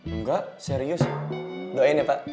enggak serius doain ya pak